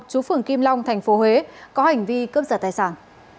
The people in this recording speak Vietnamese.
chú phường kim long tp huế có hành vi cướp giật tài sản